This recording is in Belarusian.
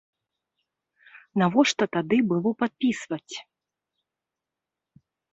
Навошта тады было падпісваць?